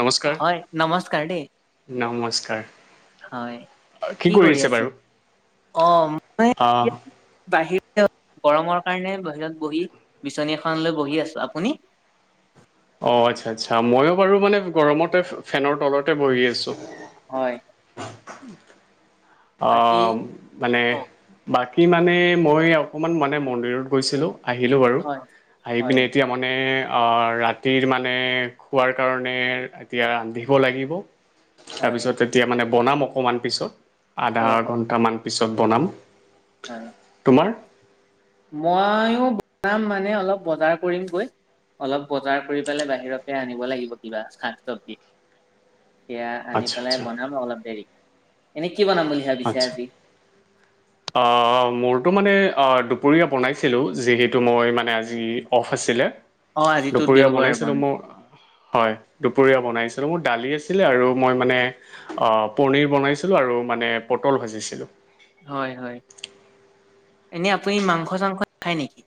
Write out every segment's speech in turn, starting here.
নমস্কাৰ হয় নমস্কাৰ দেই নমস্কাৰ হয় কি কৰি কৰিছে আছে বাৰু অ মই আহ বাহিৰত গৰমৰ কাৰণে বাহিৰত বহি বিচনী এখন লৈ বহি আছো আপুনি অ আচ্ছা আচ্ছা মইয়ো বাৰু মানে গৰমতে ফেনৰ তলতে বহি আছোঁ হয় বাকী মানে অ বাকী ই মানে মই অকণমান মানে মন্দিৰত গৈছিলোঁ আহিলোঁ বাৰু হয় আহি হয় পিনে এতিয়া মানে ৰাতিৰ মানে খোৱাৰ কাৰণে এতিয়া ৰান্ধিব লাগিব হয় তাৰপিছত এতিয়া মানে বনাম অকমান পিছত অ আধা অ ঘন্টা মান পিছত পত বনাম হয় [unintelligible] ময়ো বনাম মানে অলপ বজাৰ কৰিমগৈ। অলপ বজাৰ কৰি পেলাই বাহিৰতে আনিব লাগিব কিবা শাত চবজি সেয়া আনি আচ্ছা পেলাই আচ্ছা বনাম অলপ দেৰিকে এনে কি বনাম বুলি ভাবিছে আ্ছা আজি আহ মোৰ টো মানে দুপৰীয়া বনাইছিলোঁ যিহেতু মই মানে আজি অফ আছিলে অ আজিতো দুপৰীয়া দেওবাৰ বন বনাইছিলোঁ মই হয় দুপৰীয়া বনাইছিলো মোৰ দালি আছিলে আৰু মই মানে পনীৰ বনাইছিলো আৰু মানে পটল ভাজিছিলোঁ হয় হয় এনেই আপুনি মাংস চাংস খায় নেকি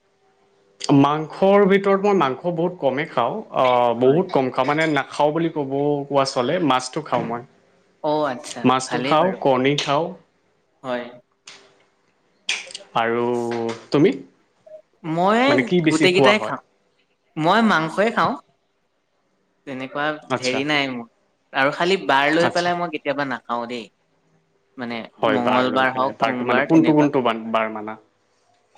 মাংসৰ ভিতৰত মই মাংস বহুত কমেই খাওঁ অ হয় বহুত কম খাওঁ মানে খাওঁ বুলি ক'ব, কোৱা চলে মাছটো খাওঁ মই। অ আচ্ছা মাছটো ভালেই খাওঁ, বাৰু কৰ্ণী খাওঁ। হয় আৰু তুমি মই মানে কি বেছি গোটেই খোৱা কেইটাই হয় খাওঁ মই মাংসই খাওঁ তেনেকুৱা আচ্ছা হেৰি নাই মোৰ আৰু খালি বাৰ লৈ আচ্ছা পেলাই মই কেতিয়াবা নাখাও দেই মানে হয় বাৰ লৈ মঙ্গলবাৰ পেলাই হওক বাৰটো মানে সোমবাৰ কোনটো তেনেকুৱা কোনটো বান- বাৰ মানা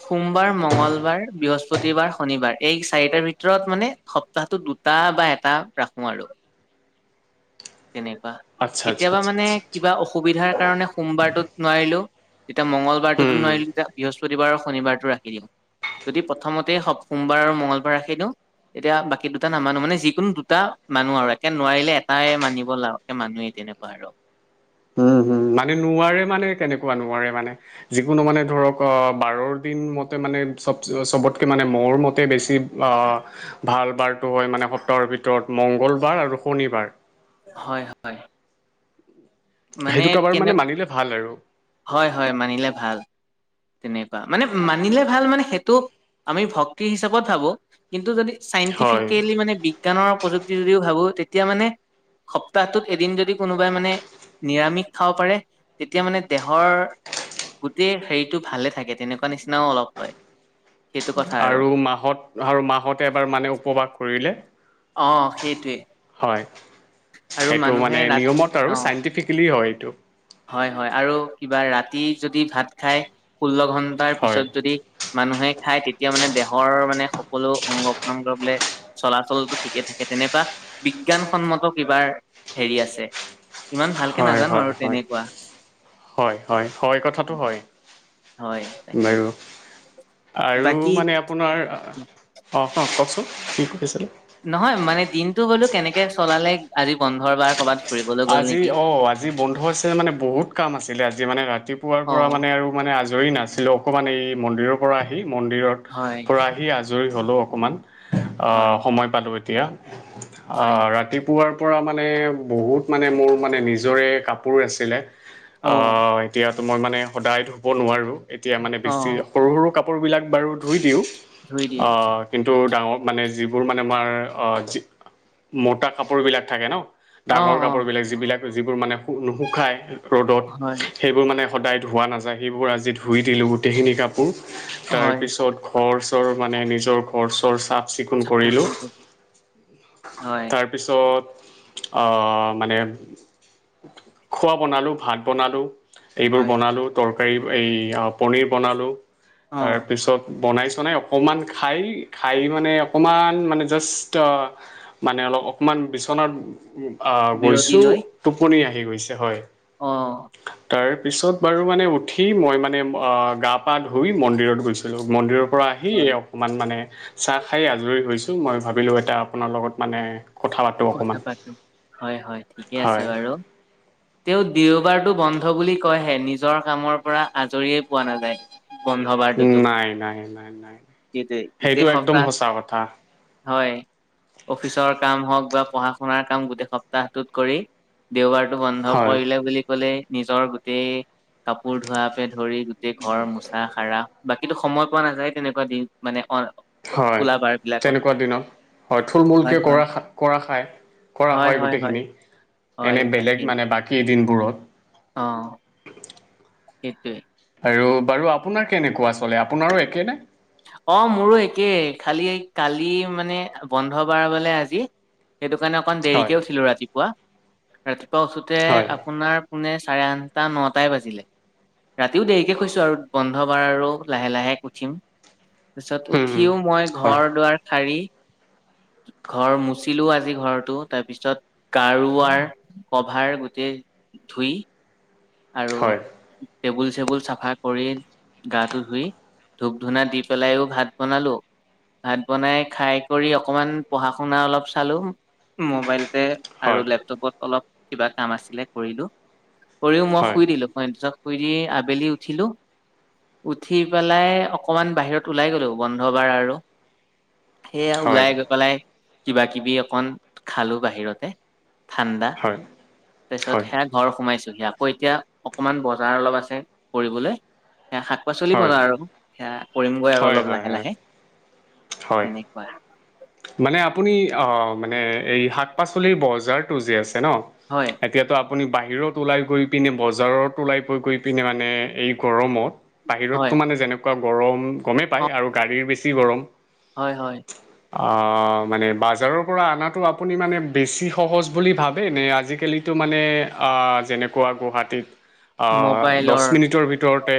সোমবাৰ মঙ্গলবাৰ বৃহস্ বৃহস্পতিবাৰ শনিবাৰ এই চাৰিটাৰ ভিতৰত মানে সপ্তাহটো দুটা বা এ এটা ৰাখোঁ আৰু তেনেকুৱা আচ্ছা আচ্ছা কেতিয়াবা আচ্ছা মানে আচ্ছা আচ্ছা কিবা অসুবিধাৰ কাৰণে সোমবাৰটোত নোৱাৰিলো তেতিয়া মংগলবাৰটোতো উম নোৱাৰিলো যে বৃহস্পতিবাৰ আৰু শনিবাৰটো ৰাখি দিওঁ যদি প্ৰথমতে সপ সোমবাৰ আৰু মঙ্গলবাৰে ৰাখি দিওঁ এতিয়া বাকী দুটা নামানো মানে যিকোনো দুটা মানো আৰু একে নোৱাৰিলে এটাই মানি বলা মানোৱেই তেনেকুৱা আৰু উম মানে নোৱাৰে মানে কেনেকুৱা নোৱাৰে মানে যিকোনো মানে ধৰক অ বাৰৰ দিন মতে মান নে চব চবতকে মানে মোৰ মতে বেছি অ ভাল বাৰটো হয় মানে সত্ৰৰ ভিতৰত মংগলবাৰ আৰু শনিবাৰ হয় হয় সেই মানে দুটা বাৰ কেনে মানে মানিলে ভাল আৰু হয় হয় মানিলে ভাল তেনেকুৱা মানে মানিলে ভাল মানে সেইটো আমি ভক্তি হিচাপত ভাবো কিন্তু যদি হয় চাইণ্টিফিকেলি মানে বিজ্ঞানৰ প্ৰযুক্তি যদিও ভাবো তেত এতিয়া মানে সপ্তাহটোত এদিন যদি কোনোবাই মানে নিৰামিষ খাব পাৰে তেতিয়া মানে দেহৰ গোটেই হেৰিটো ভালে থাকে তেনেকুৱা নিচিনাও অলপ হয়। সেইটো কথা আৰু মাহত আৰু মাহতে এবাৰ মানে উপবাস কৰিলে অ সেইটোৱে। হয় আৰু সেইটো মানুহে মানে ৰাতি নিয়মত আৰু অ চাইণ্টিফিকেলি হয়। এইটো হয় হয় আৰু কিবা ৰাতি যদি ভাত খাই ষোল্ল ঘন তাৰ হয় পিছত যদি মানুহে খাই তেতিয়া মানে দেহৰ মানে সকলো অংগ পতংগ বোলে চলাচলটো ঠিকে থাকে তেনেকুৱা বিজ্ঞানসন্মত কিবাৰ হেৰি আছে ইমান ভালকে হয় নাজানো আৰু হয় হয় তেনেকুৱা হয় হয় কথাটো হয়। হয় তাকে। বাৰু আৰু বাকী মানে আপোনাৰ অ কওক কওকচোন কি কয়? নহয় মানে দিনটো বোলো কেনেকে চলালে আজি বন্ধৰ বাৰ ক'বাত আজি অ আজি বন্ধু আছিল মানে বহুত কাম আছিলে আজি মানে ৰাতিপুৱাৰ অ পৰা মানে আৰু মানে আজ আজৰি নাছিলোঁ অকণমান এই মন্দিৰৰ পৰা আহি মন্দিৰৰ হয় পৰা আহি আজৰি হ'লো অকণমান। অ হয় সময় পালোঁ এতিয়া, আ হয় ৰাতিপুৱাৰ পৰা মানে বহুত মানে মোৰ মানে নিজৰে কাপোৰ আছিলে অ আ এতিয়া তোমাক মানে সদায় ধুব নোৱাৰোঁ এতিয়া মানে অ বেছি সৰু সৰু কাপোৰবিলাক বাৰু ধুই দিওঁ ধুই দিয়ে অ কিন্তু ডাঙৰ মানে যিবোৰ মানে আমাৰ অ মোতা কাপোৰবিলাক থাকে ন। অ ডাঙৰ অ। কাপোৰবিলাক যিবিলাক যোৰ মানে নুশু খায় ৰ'দত হয় সেইবোৰ মানে সদায় ধোৱা নাযায় সেইবোৰ আজি ধুই দিলোঁ গোটেইখিনি কাপোৰ। হয় তাৰপিছত ঘৰচৰ মানে নিজৰ ঘৰ চৰ চা চিকুন চাফা কৰিলোঁ, কৰি হয় তাৰপিছত আহ মানে খোৱা বনালোঁ, ভাত বনালোঁ, এই বোৰৰ হয় বনালোঁ, তৰ তৰকাৰী এই পনীৰ বনালোঁ, অ তাৰপিছত বনাইছোঁ মানে অকমান খাই খাই মানে অকমান মানে জাষ্ট মানে অলপ অকমান বিচনাত আহ বিৰতি গৈছোঁ লৈ টোপনি আহি গৈছে হয়। অ'। পিছত বাৰু মানে উঠি মই মানে অ', গা পা ধুই মন্দিৰত গৈছিলোঁ মন্দিৰৰ। পৰা আহি, হয় অকণমান মানে চাহ খাই আজৰি হৈছোঁ, মই ভাবিলোঁ এটা আপোনাৰ লগত মানে কথা পাতোঁ কথা অকণমান পাতোঁ, হয়, হয়, ঠিকে আছে হয় বাৰু। তেওঁ দেওবাৰটো বন্ধ বুলি কয়হে, নিজৰ কামৰ পৰা আজৰিয়েই পোৱা নাযায়। বন্ধবাৰতোটো নাই নাই নাই নাই সেইটোৱে, সেইটো গোটেই একদম সপ্তাহ সঁচা কথা হয়, অফিচৰ কাম হওঁক কিবা পঢ়া শুনাৰ কাম গোটেই সপ্তাহটোত কৰি, দেওবাৰটো বন্ধ হয় পৰিলে বুলি ক'লেই নিজৰ গোটেই কাপোৰ ধোৱাকে ধৰি, গোটেই ঘৰ মোচা, সাৰা বাকীতো সময় পোৱা নাযায়, তেনেকুৱা দিন মানে অ' হয়, খোলা বাৰ বিলাকত তেনেকুৱা দিনত হয়, থুল হয়, মূলকে হয়। কৰা, কৰা খাই কৰা হয়, গোটেইখিনি হয়, এনে বেলেগ তাকেই। মানে বাকী দিনবোৰত অ', সেইটোৱে। আৰু বাৰু আপোনাৰ কেনেকুৱা চলে আপোনাৰো একেনে? অ', মোৰো একেই, খালি কালি মানে বন্ধ বাৰ বুলি আজি সেইটো কাৰণে অকণ হয় দেৰিকে উঠিলোঁ, ৰাতিপুৱা, ৰাতিপুৱা উঠোঁতে হয় আপোনাৰ পোনে চাৰে আঠটা, নটাই বাজিলে। ৰাতিও দেৰিকে শুইছোঁ আৰু বন্ধ বাৰ আৰু লাহে, লাহে উঠিম। তাৰপিছত হুম, হুম, উঠিও মই হয় ঘৰ, দুৱাৰ সাৰি ঘৰ মুচিলোঁ আজি ঘৰটো, তাৰপিছত গাৰোৱাৰ ক'ভাৰ গোটেই ধুই আৰু হয় টেবুল, চেবুল চাফা কৰি, গাটো ধুই, ধূপ ধূনা দি পেলায়ো ভাত বনালোঁ। ভাত বনাই খাই কৰি অকমান পঢ়া শুনা অলপ চালোঁ, মোবাইল আৰু হয় লেপটপত অলপ কিবা কাম আছিলে কৰিলোঁ। উপৰিও মই হয় শুই দিলোঁ, [unintelligible] শুই দি আবেলি উঠিলোঁ, উঠি পেলাই অক অকমান বাহিৰত ওলাই গ'লো, বন্ধ বাৰ আৰু, সেয়া হয় ওলাই গৈ পেলাই কিবা কিবি অকন খালোঁ বাহিৰতে ঠাণ্ডা, হয় হয় তাৰপিছত হয় সেয়া ঘৰ সোমাই আকৌ এতিয়া অকণমান বজাৰ অলপ আছে, কৰিবলৈ সেয়া শাক পাচলি হয় বজাৰ আৰু। সেয়া কৰিমগৈ আৰু হয় অলপ হয় লাহে, হয় লাহে। হয় তেনেকুৱা মানে আপুনি অ', মানে এই শাক পাচলিৰ বজাৰটো যে, আছ ন' হয় এতিয়াতো আ আপুনি বাহিৰত ওলাই গৈ পিনে, বজাৰত ওলাই গৈ পিনে মানে এই গৰমত বাহিৰতো হয় মানে যেনেকুৱা গৰম গমেই পায় অ আৰু গাড়ীৰ বেছি গৰম। হয় হয় অ', মানে বাজাৰৰ পৰা আনাতো আপুনি মানে বেছি সহজ বুলি ভাবেনে? আজিকালিতো টো, মানে আ, যেনেকুৱা গুৱাহাটীত আ, দচ মোবাইলৰ মিনিটৰ ভিতৰতে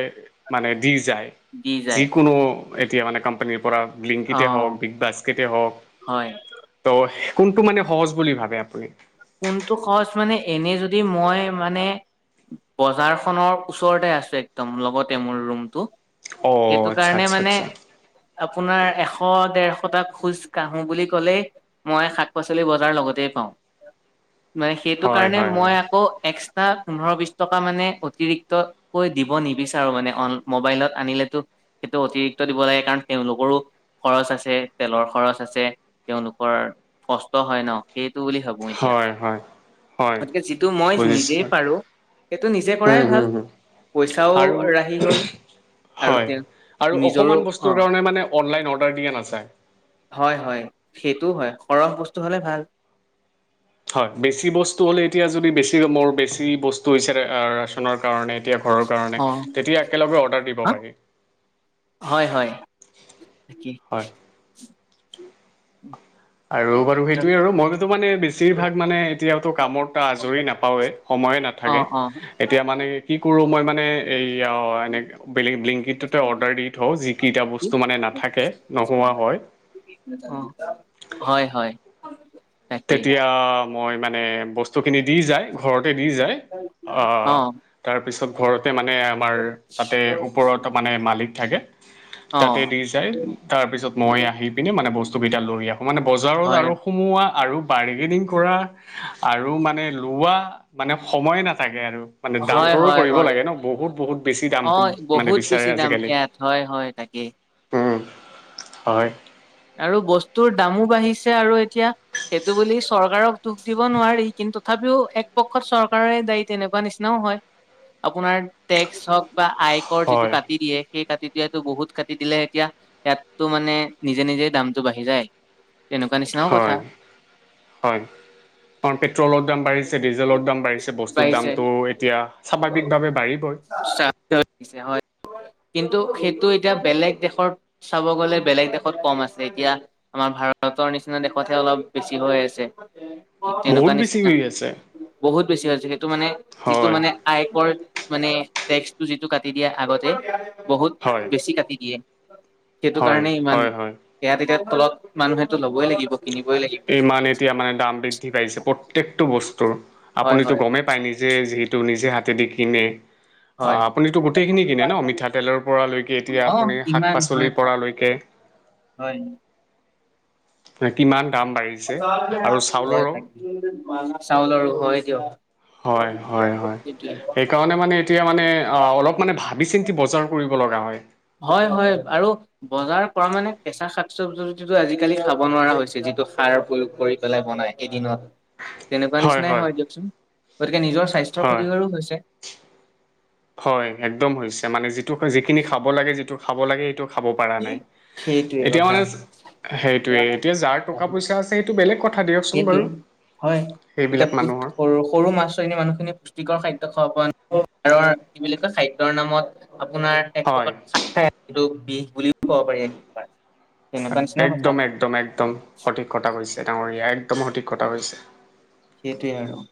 মানে দি যায়, দি যায় যিকোনো এতিয়া মানে কোম্পানীৰ পৰা অ ব্লিংকিতে হওঁক বিগ বাস্কেটে হওঁক হয় ত' কোনটো মানে সহজ বুলি ভাবে আপুনি? কোনটো সহজ মানে এনে যদি মই মানে বজাৰখনৰ ওচৰতে আছোঁ, একদম লগতে মোৰ ৰুমটো অ সেইটো আচ্ছা কাৰণে আচ্ছা মানে আচ্ছা আপোনাৰ এশ, দেৰ কটা খোজ কাঢ়োঁ বুলি ক'লেই মই শাক পাচলি বজাৰ লগতে পাওঁ। মানে হয় সেইটোকাৰণে হয় মই হয় আকৌ এক্স এটা পোন্ধৰ বিচ টকা মানে অতিৰিক্তকৈ দিব নিবিচাৰোঁ মানে অন মোবাইলত আনিলেতো সেইটো অতিৰিক্ত দিব লাগে কাৰণ, তেওঁলোকৰো খৰচ আছে, তেলৰ খৰচ আছে তেওঁলোকৰ কষ্ট হয়, ন! সেইটো বুলি ভাবো এতিয়া হয়, হয়। হয় গতিকে যিটো মই নিজেই বুজিছোঁ পাৰোঁ। সেইটো নিজে উম কৰাই হুম ভাল, হুম পইচাও আৰু ৰাহি হ'ল। আৰু হয় আৰু তেওঁ-নিজৰো অকণমান বস্তুৰ অ' কাৰণে মানে অনলাইন অৰ্ডাৰ দিয়া নাযায়। হয়, হয়, সেইটোও হয়, সৰহ বস্তু হ'লে ভাল। হয়, বেছি বস্তু হ'লে এতিয়া যদি বেছি মোৰ বেছি বস্তু হৈছে ৰা-ৰেচনৰ কাৰণে তিয়া ঘৰৰ কাৰণে অ তেতিয়া একেলগে অৰ্ডাৰ দিব হা পাৰি। হয় হয় [unintelligible] আৰু বাৰু সেইটোয়ে আৰু মইতো মানে বেছিভাগ মানে এতিয়াওটো কামত আজৰি নাপাওঁৱেই সম সময়ে অ নাথাকে, অ এতিয়া মানে কি কৰোঁ মই মান এইয়া এনে ব্লিংকিটটোতে অৰ্ডাৰ দি থওঁ যিকেইটা কি বস্তু মানে নাথাকে নোহোৱা হয় উম, হয়, হয়। তাকেই তেতিয়া মই মানে বস্তুখিনি দি যায় ঘৰত দি যায়, আ, অ তাৰপিছত ঘৰত তে, মানে আমাৰ তাতে ওপৰত মানে মালিক থাকে। অ তাতে দি যায়, তাৰপিছত মই আহি পিনে মানে বস্তুকেইটা লৈ আহোঁ, মানে বজাৰত হয় আৰু সোমোৱা আৰু বাৰ্গেনিং কৰা, আৰু মানে লোৱা, মানে সময়ে নাথাকে আৰু মানে হয় দামদৰো হয় কৰিব হয় লাগে ন? বহুত, বহুত বেছি দাম অ মানে বহুত বিচাৰে বেছি দাম আজিকালি। ইয়াত হয় হয় তাকেই উম, হয়। আৰু বস্তুৰ দামো বাঢ়িছে, আৰু এতিয়া সেইটো বুলি চৰকাৰক দুখ দিব নোৱাৰি, কিন্তু তথাপিও একপক্ষত চৰকাৰে দায়ী তেনেকুৱা নিচিনাও হয়। আপোনাৰ টেক্স হওঁক বা আইকৰ যিটো হয় কাটি দিয়ে সেই কাটি দিয়াটো বহুত কাটি দিলে এতিয়া ইয়াতটো মানে নিজে, নিজে দামটো বাঢ়ি যায়, তেনেকুৱা নিচিনাও কথা। হয় হয়। পেট্ৰলৰ দাম বাঢ়িছে, ডিজেলৰ দাম বাঢ়িছে, বস্তুৰ বাঢ়িছে দামটো এতিয়া স্বাভাৱিক ভাৱে বাঢ়িবই। [inaudible] হয়, কিন্তু সেইটো এতিয়া বেলেগ দেশৰ চাব গ'লে বেলেগ দেশ কম আছে, এতিয়া আমাৰ ভাৰতৰ নিচিনা দেশতহে অলপ বেছিহৈ আছে। বহুত তেনেকুৱা নিচিনা বেছিহৈ আছে। বহুত বেছিহৈ [unintelligible] যিহেতু মানে যিটো হয় মানে, আয়কৰ মানে টেক্সটো যিটো কাটি দিয়া আগতে, বহুত হয় বেছি কাটি দিয়ে। সেইটো হয় কাৰণে ইমান হয় হয় ইয়াত এতিয়া তলত মানুহেটো লবই লাগিব। কিনিবই লাগিব ইমান এতিয়া মানে দাম বৃদ্ধি পাইছে প্ৰত্যেকটো বস্তুৰ, হয় আপুনিতো হয় গমেই পায় নিজে যিহে টো, নিজে হাতেদি কিনে। হয় অ', আপুনিতো গোটেইখিনি কিনে ন? মিঠাতেলৰ পৰা লৈকে এতিয়া অ আপুনি শাক ইমান হয় পাচলিৰ পৰা হয় লৈকে। হয়। কৃত্ৰিমান [unintelligible] চাউল আৰু হয়, দিয়ক। হয়, হয়, হয়। সেইটোৱে সেইকাৰণে মানে এতিয়া মানে অলপ মানে ভাবি চিন্তি বজাৰ কৰিব লগা হয়। হয়, হয়, আৰু বজাৰ কৰা মানে কেঁচা শাক [unintelligible] আজিকালি খাব নোৱাৰা হৈছে যিটো সাৰ প্ৰয়োগ কৰি পেলাই বনাই, এদিনত। তেনেকুৱা নিচিনাই হয় দিয়কচোন। গতিকে নিজৰ স্বাস্থ্যৰ হয় ক্ষতিকাৰোঁ হৈছে। হয়, একদম হৈছে মানে যিটো যিখিনি খাব লাগে, যিটো খাব লাগে সেইটো খাব পাৰা নাই, সেইটোৱে এতিয়া কথা মানে সেইটোয়ে এতিয়া যাৰ টকা পইচা আছে, সেইটো বেলেগ ক সেইটোৱে হয়, এতিয়া সেইবিলাক মানুহৰ পু-সৰু, সৰু মাছ [unintelligible] মানুহখিনি পুষ্টিকৰ খা [inaudible] খাদ্যৰ নামত আপোনাৰ এক হয় প্ৰকাৰ চাক খাই যিটো বিষ বুলি নিচিনা কথা একদম একদম একদম সঠিক কথা কৈছা। এই ডাঙৰীয়া একদম সঠিক কথা কৈছে। সেইটোৱে আৰু।